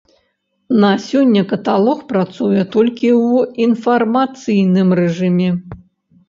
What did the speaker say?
На сёння каталог працуе толькі ў інфармацыйным рэжыме.